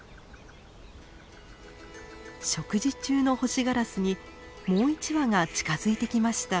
食事中のホシガラスにもう一羽が近づいてきました。